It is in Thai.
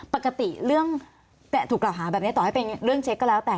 ปกติเรื่องถูกกล่าวหาแบบนี้ต่อให้เป็นเรื่องเช็คก็แล้วแต่